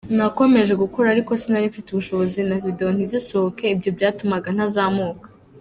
Nakomeje gukora ariko sinari mfite ubushobozi na video ntizisohoke, ibyo byatumaga ntazamuka”.